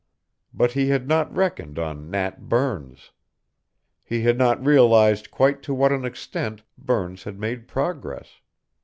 But he had not reckoned on Nat Burns. He had not realized quite to what an extent Burns had made progress.